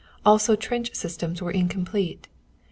Also trench systems were incomplete.